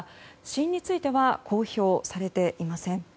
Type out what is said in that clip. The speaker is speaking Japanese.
死因については公表されていません。